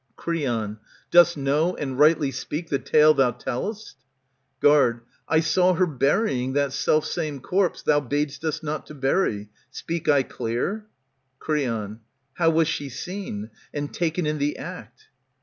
Creon, Dost know and rightly speak the tale thou tell'st ? Guard, I saw her burying that self same corpse Thou bad'st us not to bury. Speak I clear? Creon, How was she seen, and taken in the act